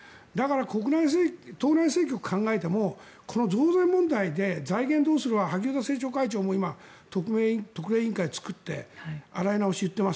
なので、党内政局を考えてもこの増税問題で財源どうするか萩生田政調会長も今、特命委員会を作って洗い直しといっています。